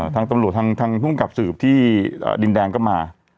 ทางตำรวจทางภูมิกับสืบที่ดินแดงก็มา